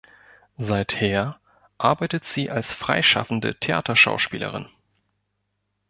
Seither arbeitet sie als freischaffende Theaterschauspielerin.